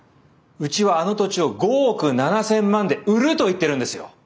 うちはあの土地を５億７，０００万で売ると言ってるんですよ。